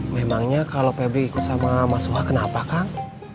memangnya kalau febri ikut sama mas wah kenapa kang